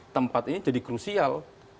tempat ini jadi krusial